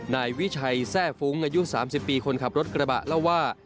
นายวิชัยแทร่ฟุ้งอายุ๓๐ปีคนขับรถกระบะเล่าว่า